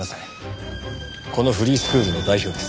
このフリースクールの代表です。